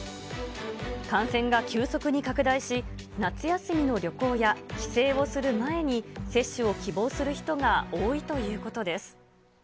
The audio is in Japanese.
感染が急速に拡大し、夏休みの旅行や帰省をする前に、接種を希望する人が多いということです。